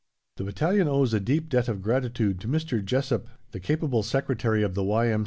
The battalion owes a deep debt of gratitude to Mr. Jessop, the capable secretary of the Y.M.